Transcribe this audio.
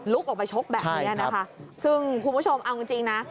ออกไปชกแบบนี้นะคะซึ่งคุณผู้ชมเอาจริงจริงนะ